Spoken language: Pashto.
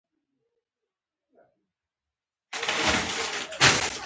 د نیالګي ساتنه تر کینولو مهمه ده؟